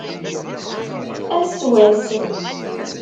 Ass wass.